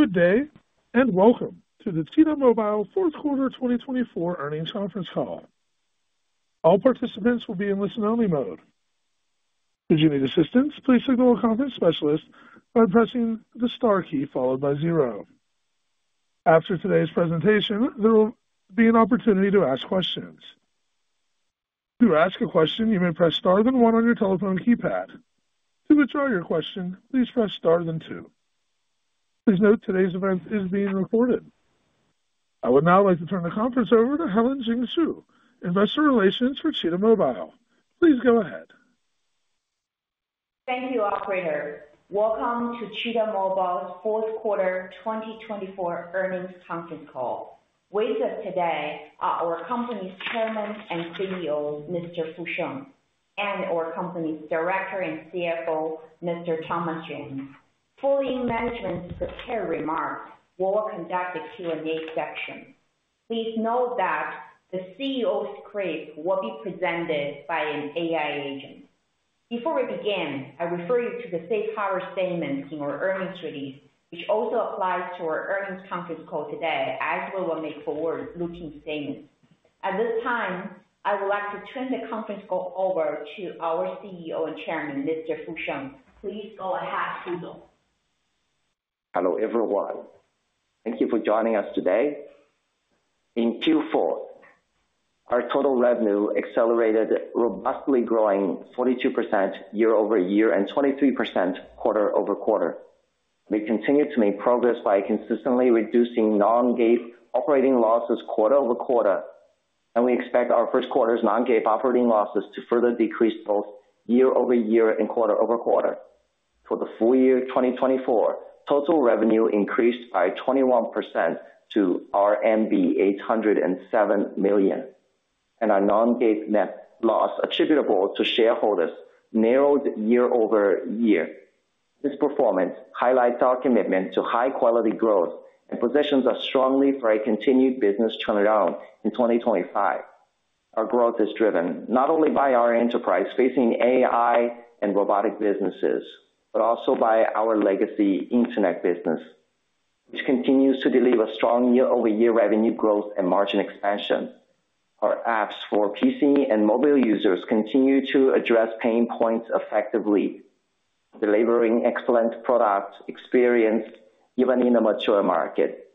Good day, and welcome to the TDOT Mobile Fourth Quarter twenty twenty four Earnings Conference Call. All participants will be in listen only mode. Please note today's event is being recorded. I would now like to turn the conference over to Helen Jing Xu, Investor Relations for Cheetah Mobile. Please go ahead. Thank you, operator. Welcome to Cheetah Mobile's fourth quarter twenty twenty four earnings conference call. With us today are our company's Chairman and CEO, Mr. Fu Sheng and our company's Director and CFO, Mr. Thomas Zheng. Following management's prepared remarks, we will conduct a Q and A session. Please note that the CEO's script will be presented by an AI agent. Before we begin, I refer you to the Safe Harbor statement in our earnings release, which also applies to our earnings conference call today as we will make forward looking statements. At this time, I would like to turn the conference call over to our CEO and Chairman, Mr. Fu Sheng. Please go ahead, Fuzhou. Hello, everyone. Thank you for joining us today. In Q4, our total revenue accelerated robustly growing 42% year over year and 23% quarter over quarter. We continue to make progress by consistently reducing non GAAP operating losses quarter over quarter and we expect our first quarter's non GAAP operating losses to further decrease both year over year and quarter over quarter. For the full year 2024, total revenue increased by 21% to RMB 807 million and our non GAAP net loss attributable to shareholders narrowed year over year. This performance highlights our commitment to high quality growth and positions us strongly for a continued business turnaround in 2025. Our growth is driven not only by our enterprise facing AI and robotic businesses, but also by our legacy Internet business, which continues to deliver strong year over year revenue growth and margin expansion. Our apps for PC and mobile users continue to address pain points effectively, delivering excellent product experience even in a mature market.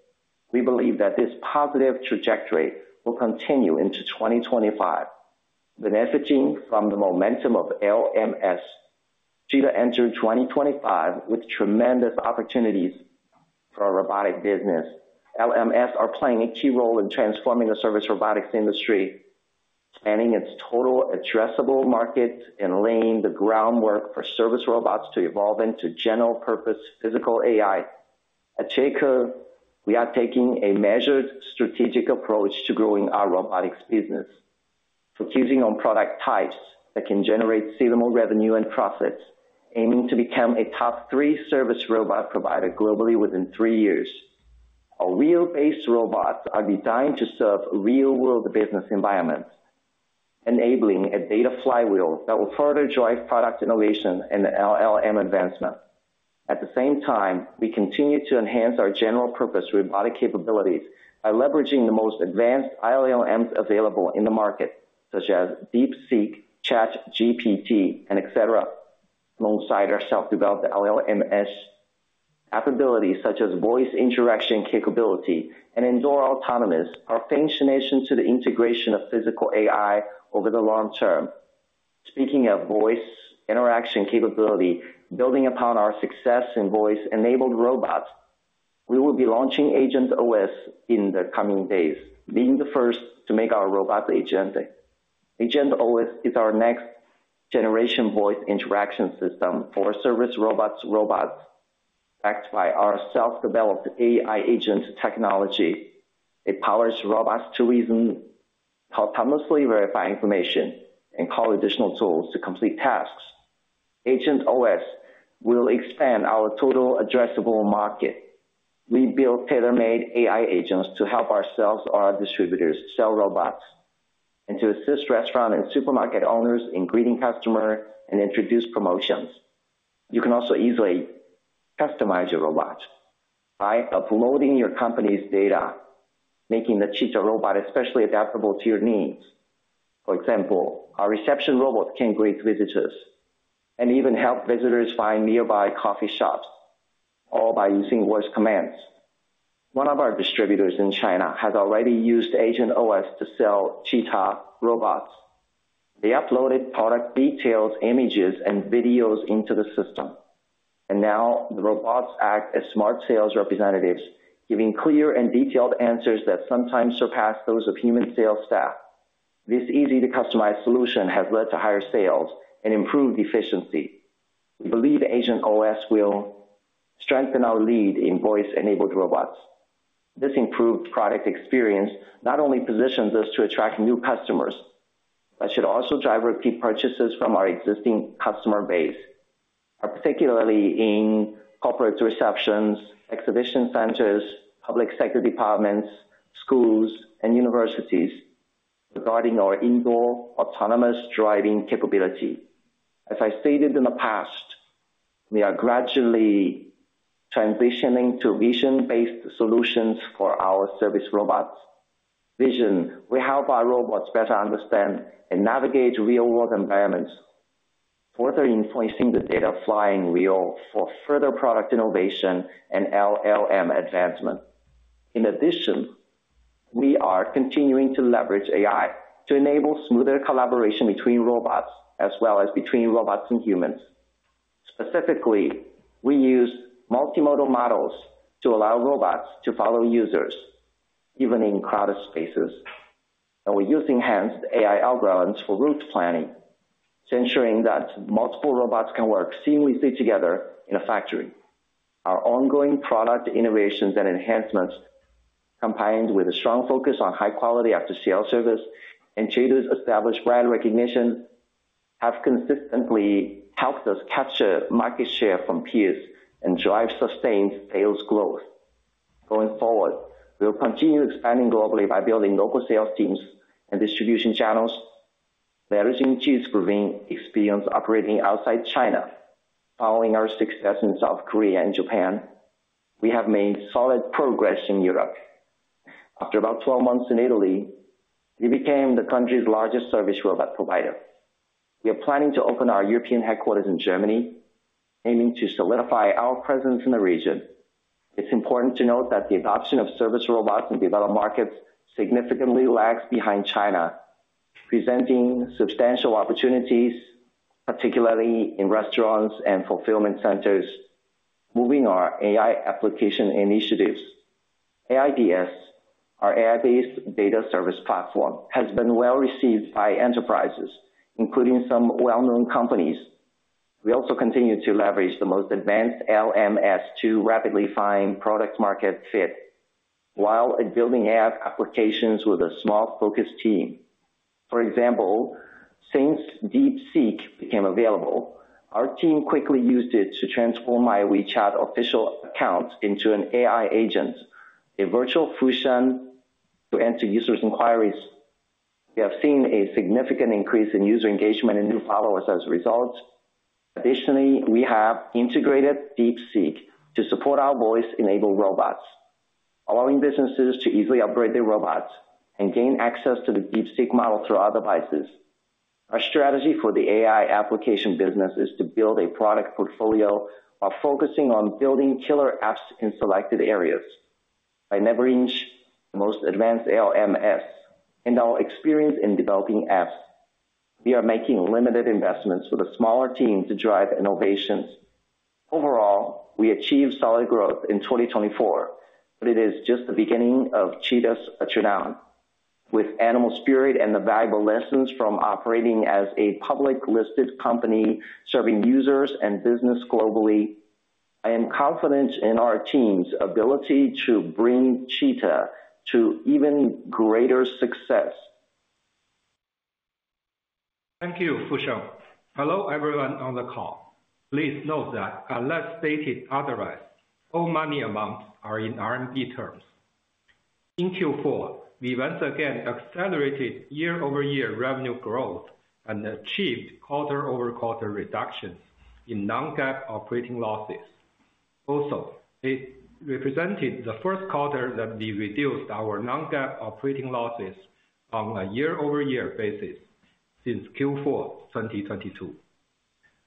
We believe that this positive trajectory will continue into 2025 benefiting from the momentum of LMS to enter 2025 with tremendous opportunities for our robotics business. LMS are playing a key role in transforming the service robotics industry, spanning its total addressable market and laying the groundwork for service robots to evolve into general purpose physical AI, at J Curve, we are taking a measured strategic approach to growing our robotics business, focusing on product types that can generate seasonal revenue and profits, aiming to become a top three service robot provider globally within three years. Our wheelbase robots are designed to serve real world business environment, enabling a data flywheel that will further drive product innovation and LLM advancement. At the same time, we continue to enhance our general purpose robotic capabilities by leveraging the most advanced ILLMs available in the market, such as DeepSeq, Chat, GPT and etcetera alongside our self developed ILLMS. Appabilities such as voice interaction capability and indoor autonomous are facing nations to the integration of physical AI over the long term. Speaking of voice interaction capability, building upon our success in voice enabled robots, we will be launching AgentOS in the coming days, being the first to make our robots agenting. AgentOS is our next generation voice interaction system for service robots backed by our self developed AI agent technology. It powers robots to reason, autonomously verify information and call additional tools to complete tasks. AgentOS will expand our total addressable market. We build tailor made AI agents to help ourselves or distributors sell robots and to assist restaurant and supermarket owners in greeting customer and introduce promotions. You can also easily customize your robot by uploading your company's data making the Cheetah robot especially adaptable to your needs. For example, our reception robot can greet visitors and even help visitors find nearby coffee shops all by using voice commands. One of our distributors in China has already used AgentOS to sell Cheetah robots. They uploaded product details, images and videos into the system. And now the robots act as smart sales representatives giving clear and detailed answers that sometimes surpass those of human sales staff. This easy to customize solution has led to higher sales and improved efficiency. We believe AgentOS will strengthen our lead in voice enabled robots. This improved product experience not only positions us to attract new customers, but should also drive repeat purchases from our existing customer base, particularly in corporate receptions, exhibition centers, public sector departments, schools and universities regarding our indoor autonomous driving capability. As I stated in the past, we are gradually transitioning to vision based solutions for our service robots. Vision will help our robots better understand and navigate real world environments, further influencing the data flying real for further product innovation and LLM advancement. In addition, we are continuing to leverage AI to enable smoother collaboration between robots as well as between robots and humans. Specifically, we use multimodal models to allow robots to follow users even in crowded spaces. And we're using enhanced AI algorithms for route planning to ensuring that multiple robots can work seamlessly together in a factory. Our ongoing product innovations and enhancements combined with a strong focus on high quality after sales service and Traders' established brand recognition have consistently helped us capture market share from peers and drive sustained sales growth. Going forward, we will continue expanding globally by building local sales teams and distribution channels, leveraging Q2's growing experience operating outside China. Following our success in South Korea and Japan, we have made solid progress in Europe. After about twelve months in Italy, we became the country's largest service robot provider. We are planning to open our European headquarters in Germany, aiming to solidify our presence in the region. It's important to note that the adoption of service robots in developed markets significantly lags behind China, presenting substantial opportunities, particularly in restaurants and fulfillment centers, moving our AI application initiatives. AI DS, our AI based data service platform has been well received by enterprises, including some well known companies. We also continue to leverage the most advanced LMS to rapidly find product market fit, while building app applications with a small focus team. For example, since DeepSeek became available, our team quickly used it to transform My WeChat official account into an AI agent, a virtual Fushan to enter users' inquiries. We have seen a significant increase in user engagement and new followers as a result. Additionally, we have integrated DeepSeek to support our voice enabled robots, allowing businesses to easily upgrade their robots and gain access to the DeepSig model through our devices. Our strategy for the AI application business is to build a product portfolio of focusing on building killer apps in selected areas. By leveraging the most advanced ALMS and our experience in developing apps, we are making limited investments with a smaller team to drive innovations. Overall, we achieved solid growth in 2024, but it is just the beginning of Cheetah's a turn down. With animal spirit and the valuable lessons from operating as a public listed company serving users and business globally, I am confident in our team's ability to bring Cheetah to even greater success. Thank you, Fushiong. Hello, everyone on the call. Please note that unless stated otherwise, all money amounts are in RMB terms. In Q4, we once again accelerated year over year revenue growth and achieved quarter over quarter reductions in non GAAP operating losses. Also, it represented the first quarter that we reduced our non GAAP operating losses on a year over year basis since Q4 twenty twenty two.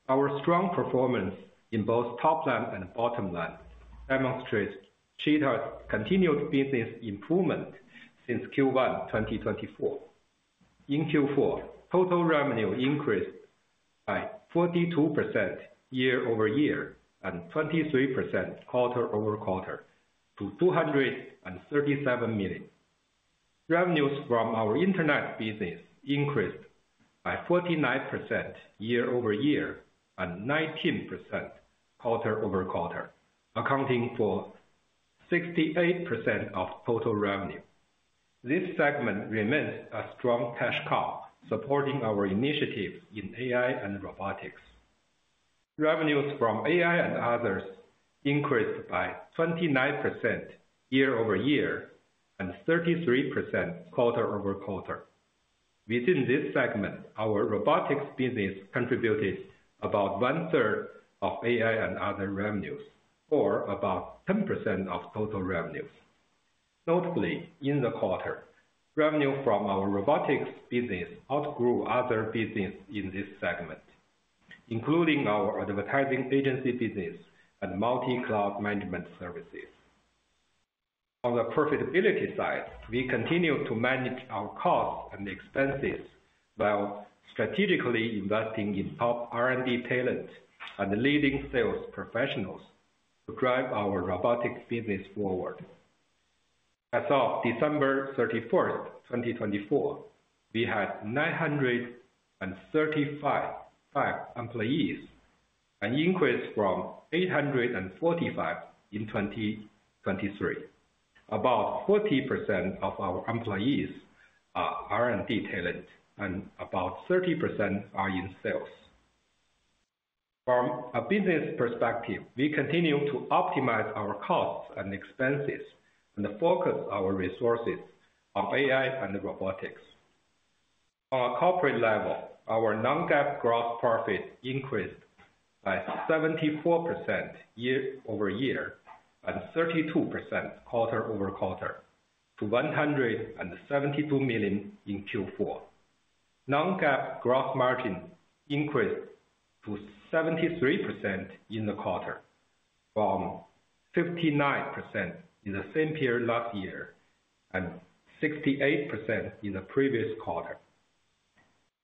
Our strong performance in both top line and bottom line demonstrates Cheetah's continued business improvement since Q1 twenty twenty four. In Q4, total revenue increased by 42% year over year and 23% quarter over quarter to 237 million. Revenues from our Internet business increased by 49% year over year and 19% quarter over quarter, accounting for 68% of total revenue. This segment remains a strong cash cow, supporting our initiatives in AI and robotics. Revenues from AI and others increased by 29 year over year and 33% quarter over quarter. Within this segment, our robotics business contributed about one third of AI and other revenues or about 10% of total revenues. Notably, in the quarter, revenue from our robotics business outgrew other business in this segment, including our advertising agency business and multi cloud management services. On the profitability side, we continue to manage our costs and expenses, while strategically investing in top R and D talent and leading sales professionals to drive our robotics business forward. As of 12/31/2024, we had nine thirty five employees, an increase from eight forty five in 2023. About 40% of our employees are R and D talent and about 30% are in sales. From a business perspective, we continue to optimize our costs and expenses and focus our resources on AI and robotics. On a corporate level, our non GAAP gross profit increased by 74% year over year and 32% quarter over quarter to 172 million in Q4. Non GAAP gross margin increased to 73% in the quarter from 59% in the same period last year and 68% in the previous quarter.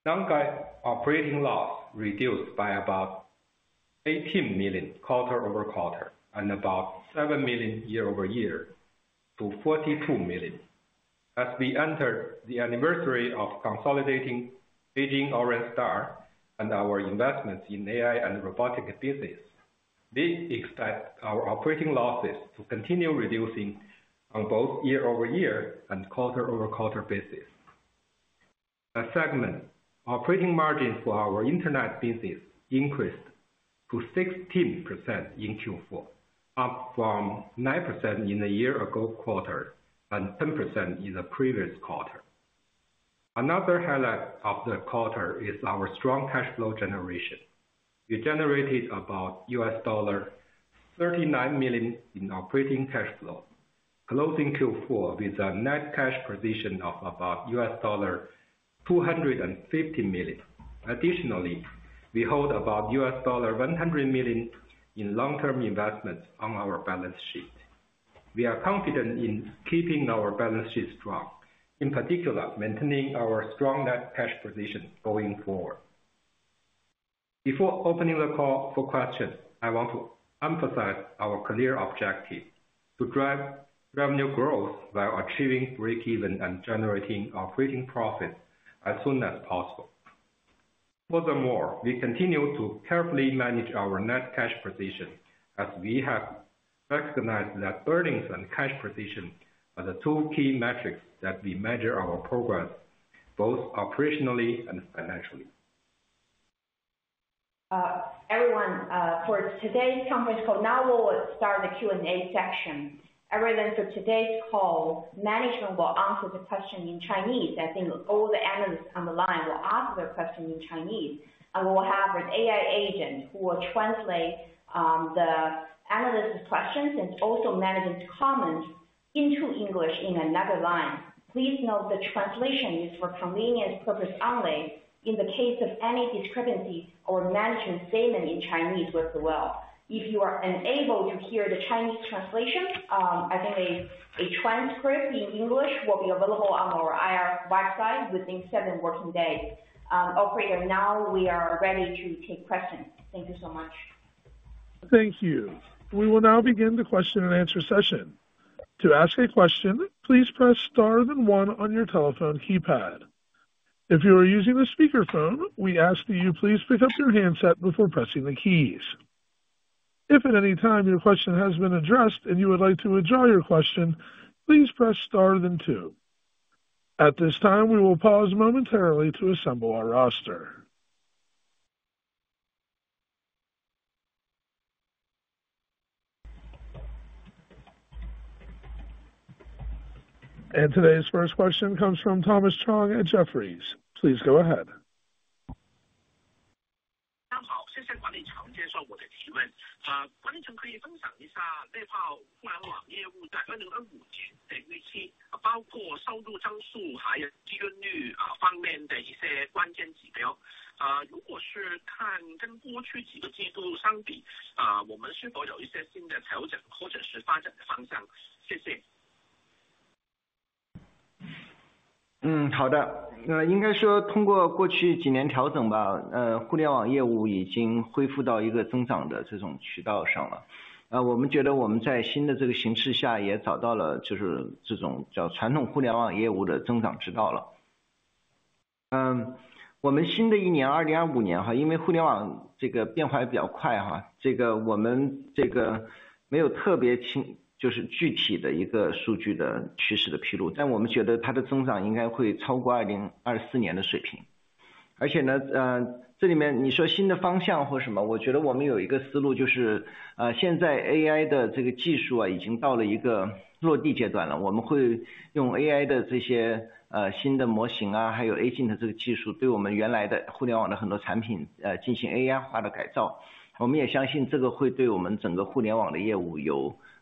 NAND GAAP operating loss reduced by about $18,000,000 quarter over quarter and about $7,000,000 year over year to $42,000,000 as we entered the anniversary of consolidating Beijing Aurestar and our investments in AI and robotics business, we expect our operating losses to continue reducing on both year over year and quarter over quarter basis. As segment, operating margin for our Internet business increased to 16% in Q4, up from 9% in the year ago quarter and 10% in the previous quarter. Another highlight of the quarter is our strong cash flow generation. We generated about $39,000,000 in operating cash flow, closing Q4 with a net cash position of about US250 million dollars Additionally, we hold about US100 million dollars in long term investments on our balance sheet. We are confident in keeping our balance sheet strong, in particular, maintaining our strong net cash position going forward. Before opening the call for questions, I want to emphasize our clear objective to drive revenue growth while achieving breakeven and generating operating profit as soon as possible. Furthermore, we continue to carefully manage our net cash position as we have recognized that earnings and cash position are the two key metrics that we measure our progress, both operationally and financially. Everyone, for today's conference call, now we will start the Q and A section. As of today's call, management will answer the question in Chinese. I think all the analysts on the line will answer the question in Chinese. And we'll have an AI agent who will translate the analyst's questions and also management's comments into English in another line. Please note the translation is for convenience purpose only in the case of any discrepancy or management statement in Chinese as well. If you are unable to hear the Chinese translation, I think a transcript in English will be available on our IR website within seven working days. Operator, now we are ready to take questions. Thank you so much. Thank you. We will now begin the question and answer session. And today's first question comes from Thomas Chong at Jefferies. Please go ahead. Operator,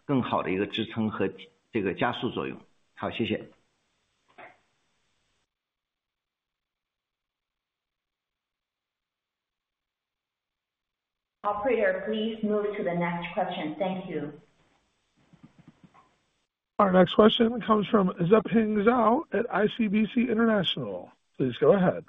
please move to the next question. Thank you. Our next question comes from Zeping Zhao at ICBC International. Please go ahead.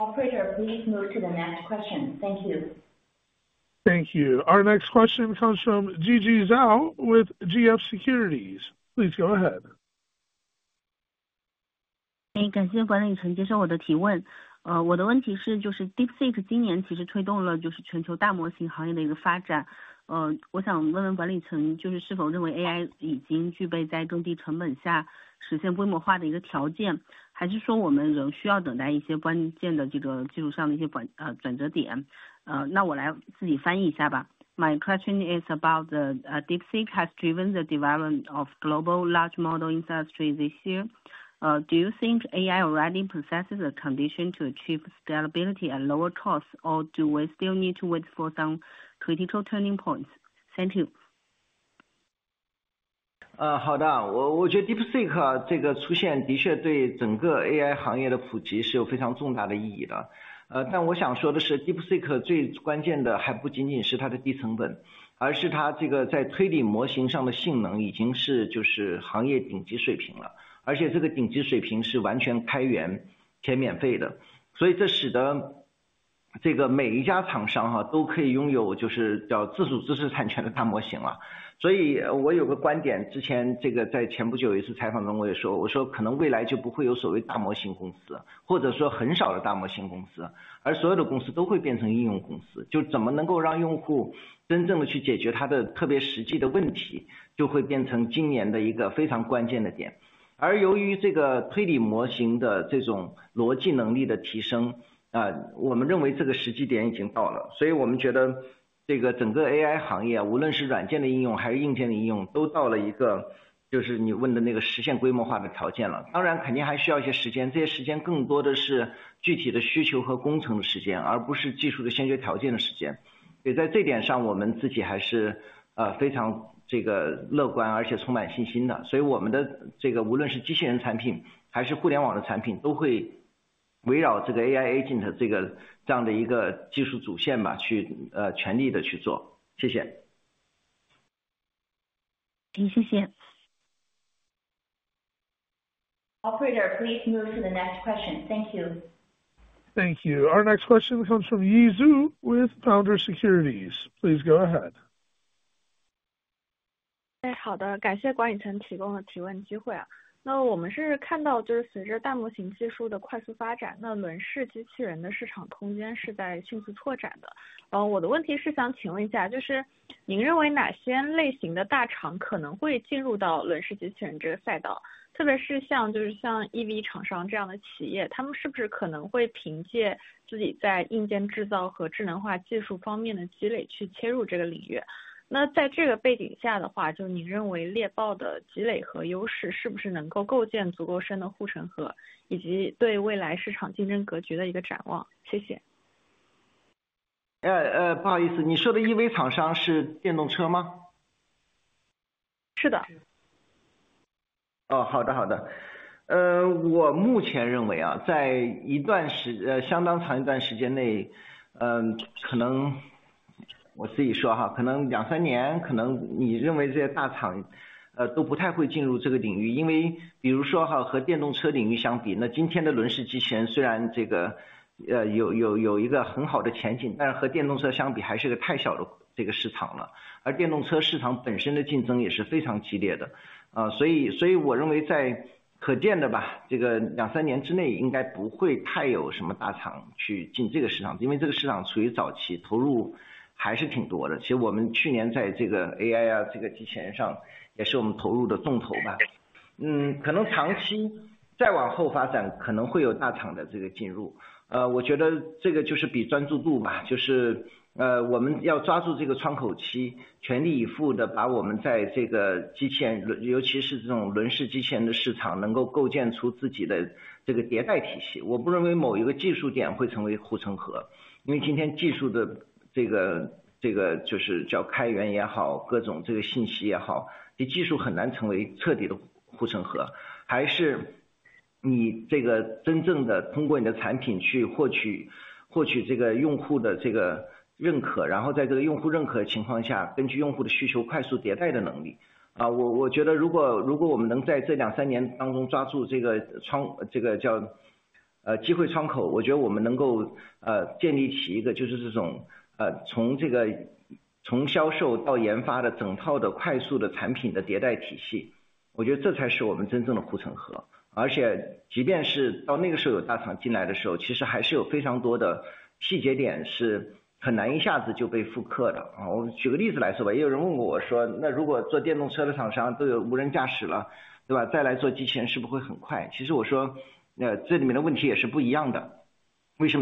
Operator, please move to the next question. Thank you. Thank you. Our next question comes from Securities. Please go ahead. My question is about the deep sea has driven the development of global large model industry this year. Do you think AI already possesses a condition to achieve scalability and lower costs or do we still need to wait for some critical turning points? Thank you. Operator, please move to the next question.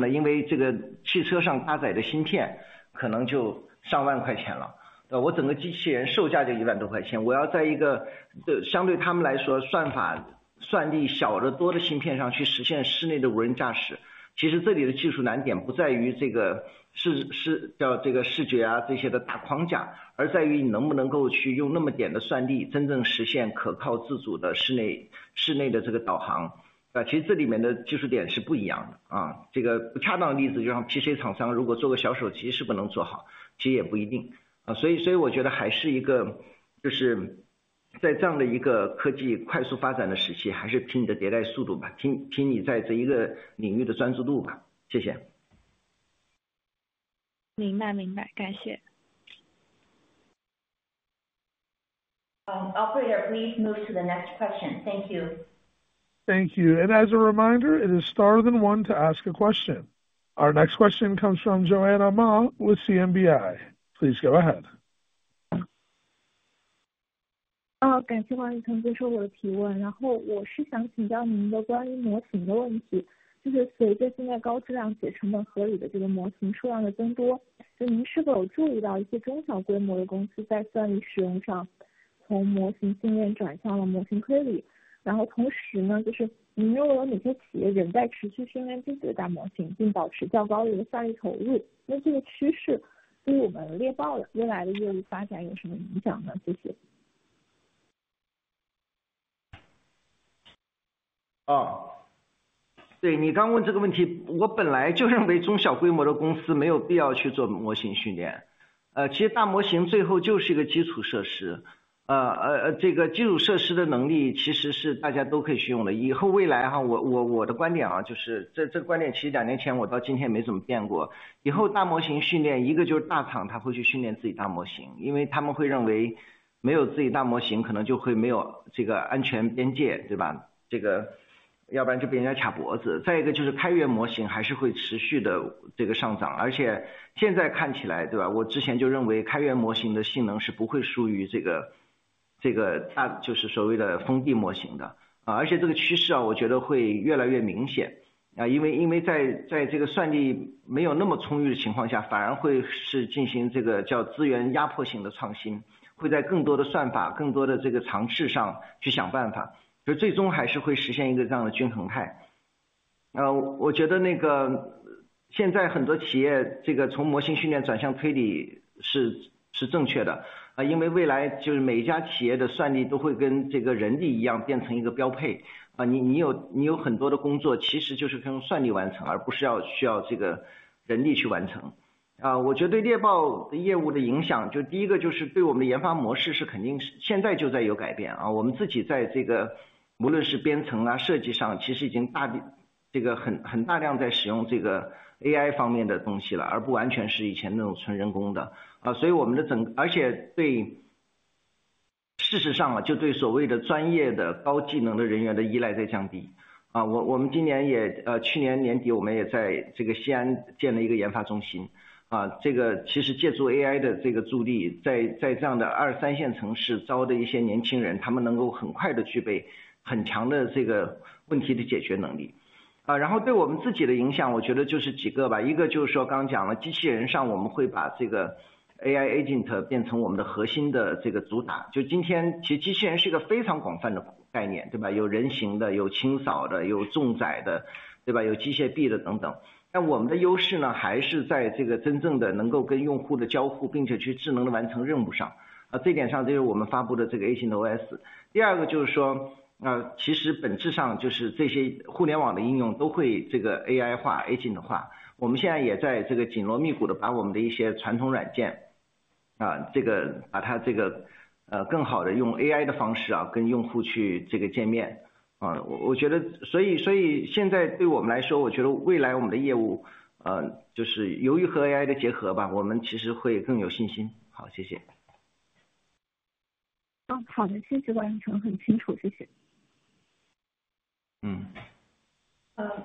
Thank you. Thank you. Our next question comes from Yi Zhu with Founders Securities. Please go ahead. Operator, please move to the next question. Thank you. Thank you. Our next question comes from Joanna Ma with CMBI. Please go ahead.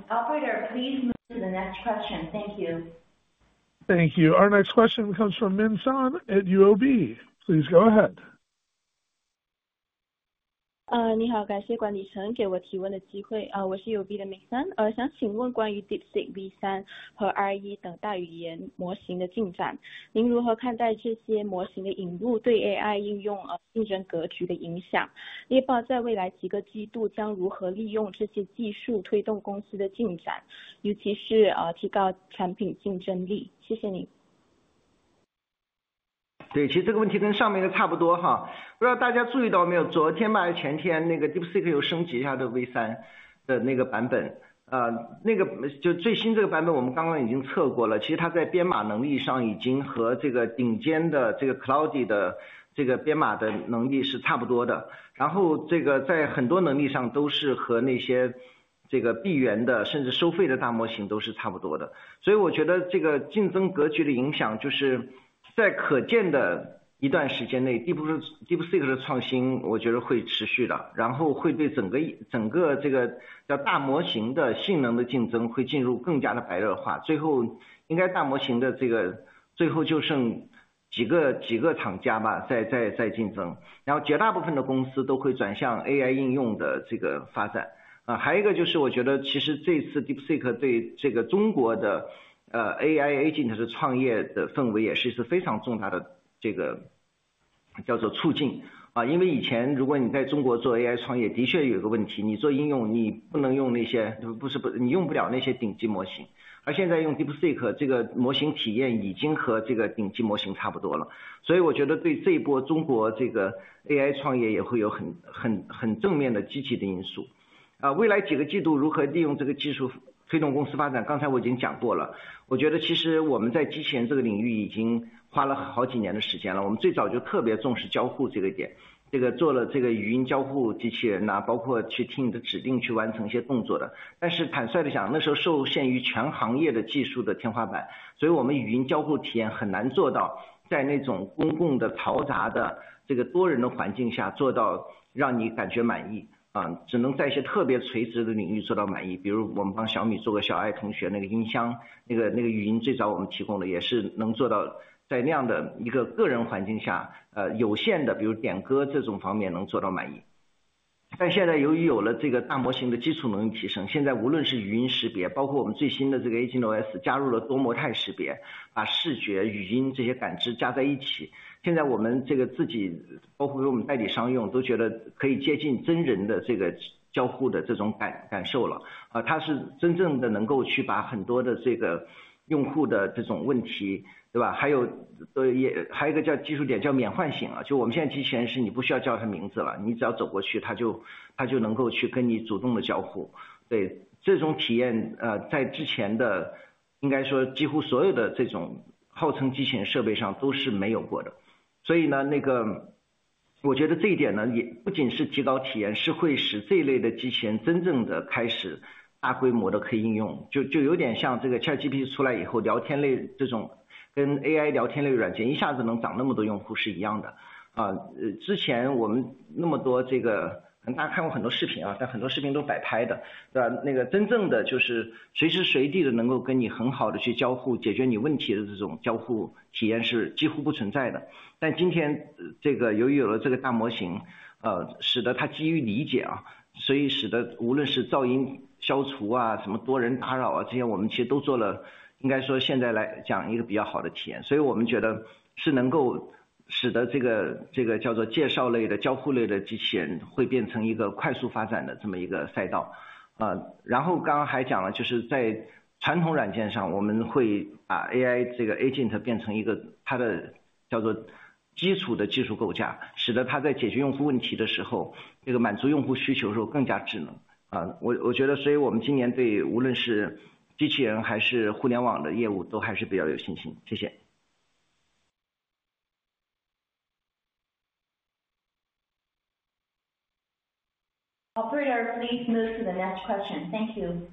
Operator, please move to the next question. Thank you. Thank you. Our next question comes from Min Son at UOB. Please go ahead. Operator, please move to the next question. Thank you.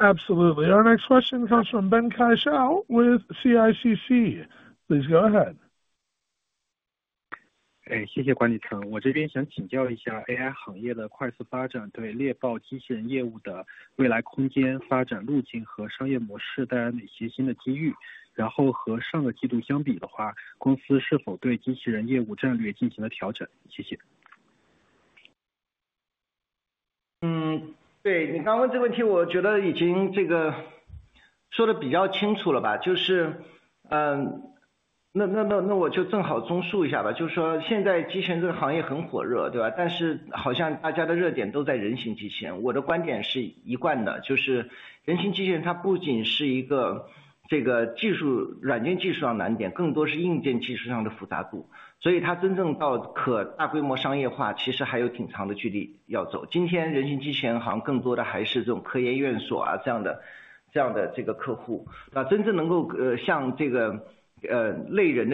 Absolutely. Our next question comes from Ben Kai Hsiao with CICC. Please go ahead. Operator,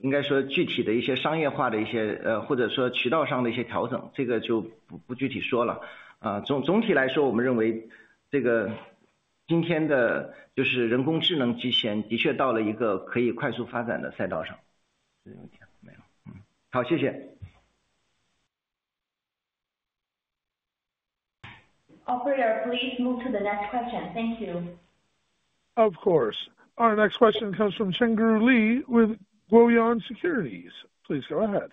please move to the next question. Thank you. Of course. Our next question comes from Chengdu Li with Guoyuan Securities. Please go ahead.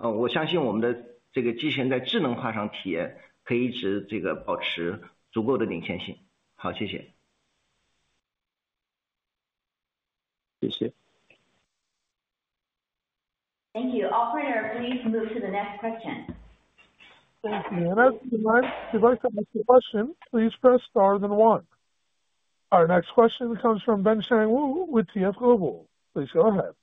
Thank you. Operator, please move to the next question. Our next question comes from Ben Shenng Wu with TF Global. Please go ahead. Thank you. Operator, please move to the next question. Thank you. Of course. Our next question comes from Yanteng Diao with Guita Junan. Please go ahead.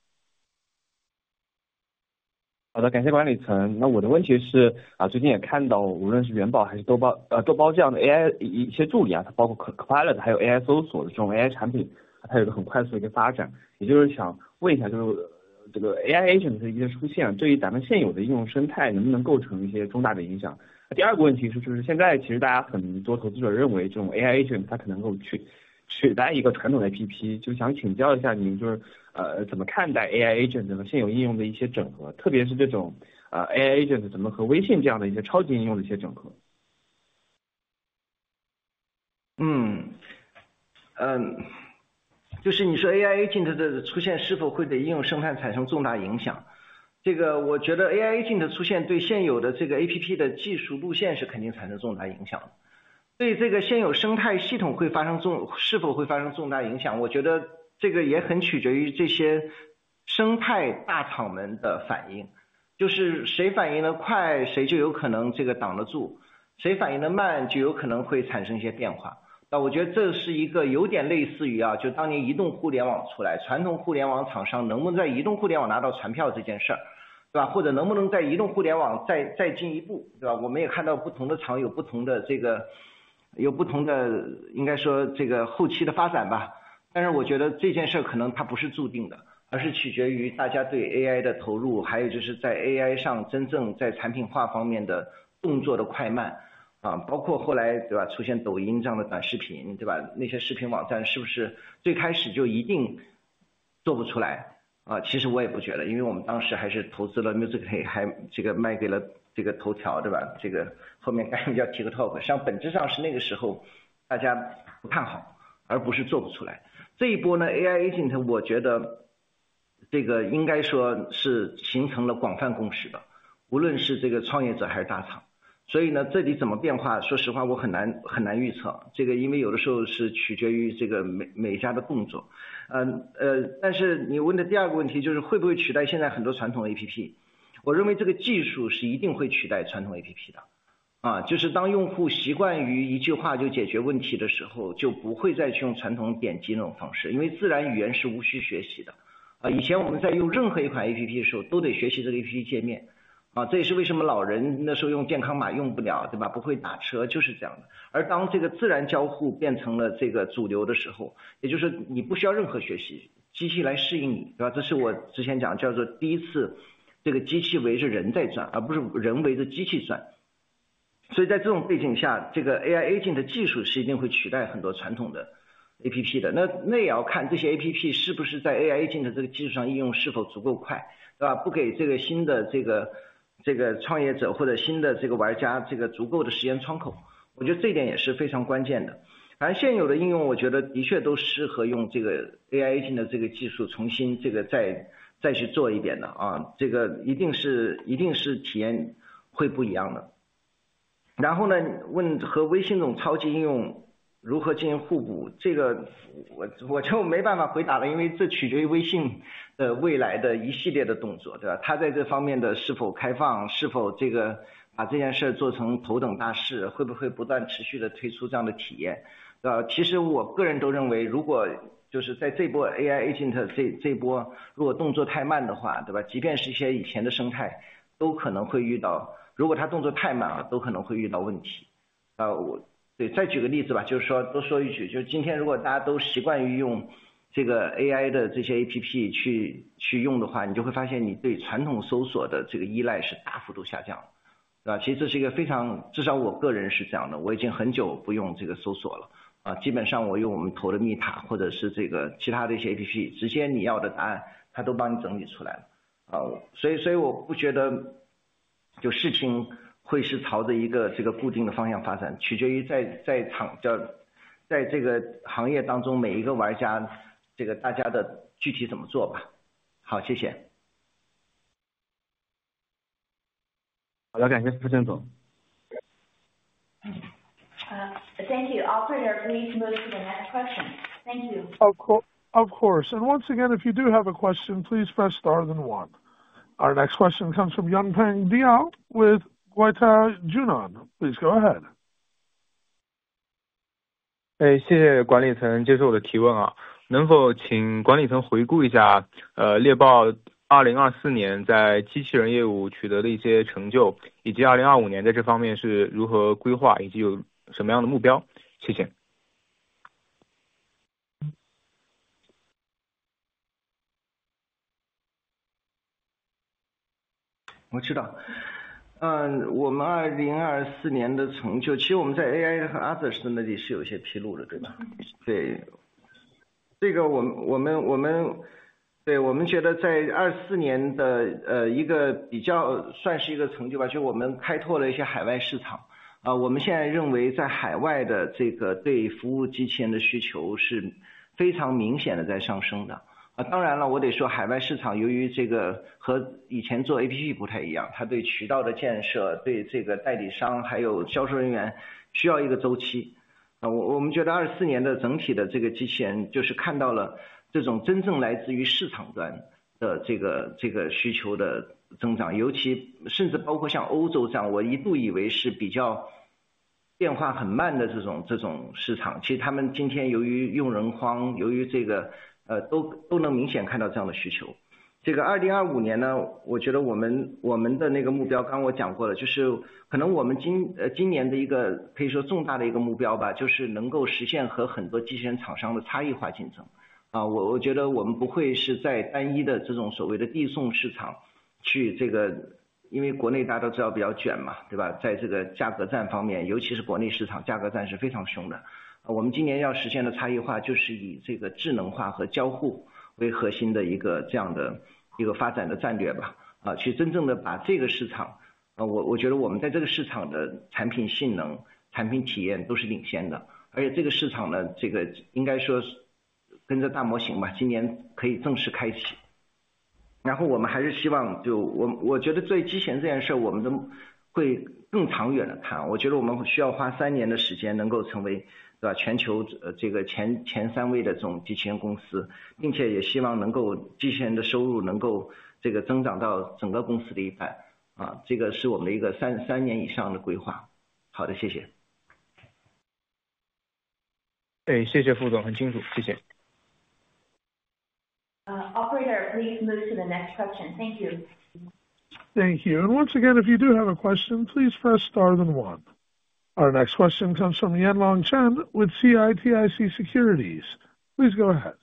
Operator, please move to the next question. Thank you. Thank you. Our next question comes from Yandlong Chen with CITIC Securities. Please go ahead.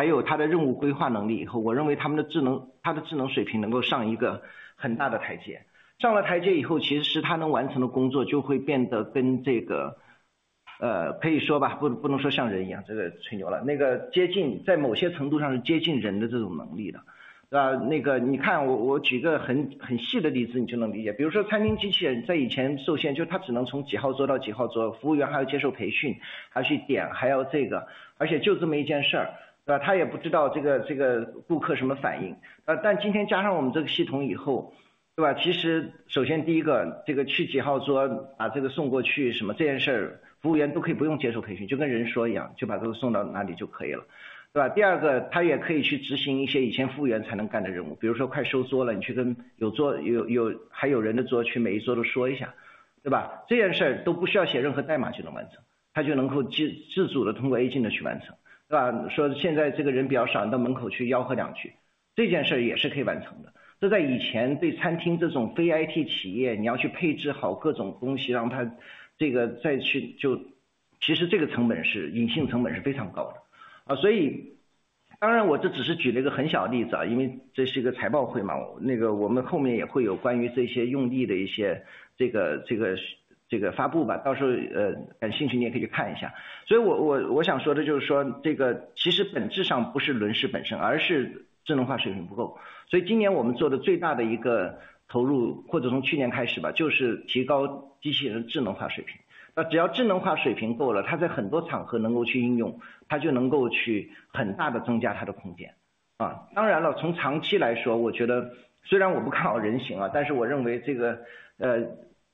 Okay.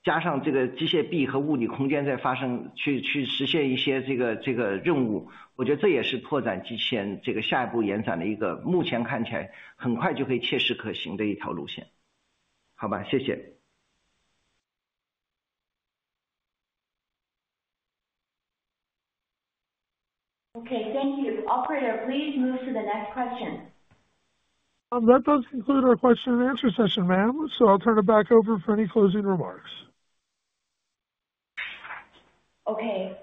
Thank you. Operator, please move to the next question. That does conclude our question and answer session, ma'am. So, I'll turn it back over for any closing remarks. Okay.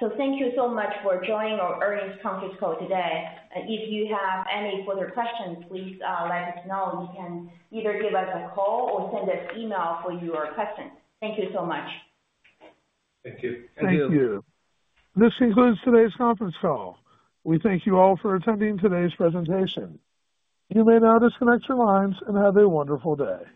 So, thank you so much for joining our earnings conference call today. If you have any further questions, please let us know and you can either give us a call or send us e mail for your questions. Thank you so much. Thank you. Thank you. This concludes today's conference call. We thank you all for attending today's presentation. You may now disconnect your lines and have a wonderful day.